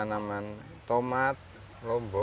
tanaman tomat lombok